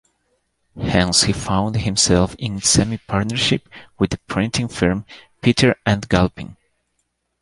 Hence he found himself in semi-partnership with the printing firm "Petter and Galpin".